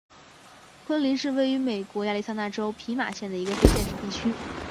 昆林是位于美国亚利桑那州皮马县的一个非建制地区。